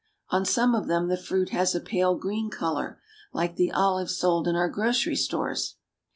On some of them the fruit has a pale green color like the olives sold in our grocery stores.